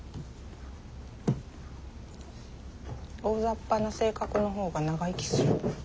大ざっぱな性格の方が長生きすると。